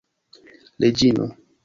reĝino